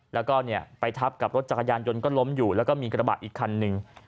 แล้วก็ไปทับกับรถจักรยานยนต์ก็ล้มอยู่แล้วก็มีกระบะอีกคันหนึ่ง